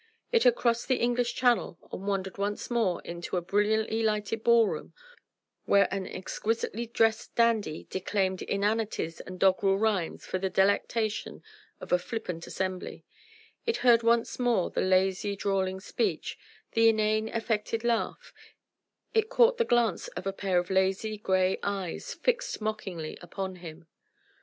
It had crossed the English Channel and wandered once more into a brilliantly lighted ball room where an exquisitely dressed dandy declaimed inanities and doggrel rhymes for the delectation of a flippant assembly: it heard once more the lazy, drawling speech, the inane, affected laugh, it caught the glance of a pair of lazy, grey eyes fixed mockingly upon him.